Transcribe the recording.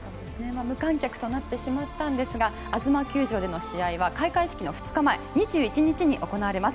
無観客となってしまったんですがあづま球場での試合は開会式の２日前２１日に行われます。